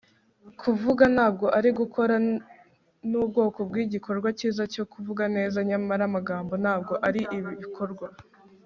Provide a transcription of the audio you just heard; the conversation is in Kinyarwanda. kuvuga ntabwo ari gukora. nubwoko bwigikorwa cyiza cyo kuvuga neza; nyamara amagambo ntabwo ari ibikorwa